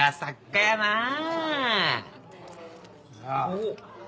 おっ！